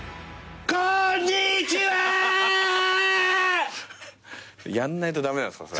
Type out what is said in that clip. こーんにちはー！やんないと駄目なんすかそれ。